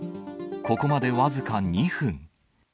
ここまで僅か２分。